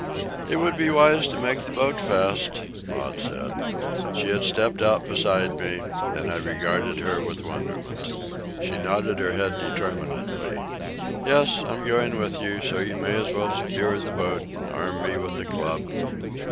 "It would be wise to make the boat fast," Maud said. She had stepped out beside me, and I regarded her with wonderment. She nodded her head determinedly. "Yes, I'm going with you, so you may as well secure the boat and arm me with a club."